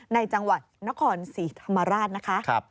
ในจังหวัดนครศรีธรรมราชนะคะ